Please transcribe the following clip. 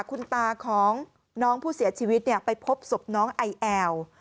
คุณตาของน้องผู้เสียชีวิตไปพบศพน้องไอแอล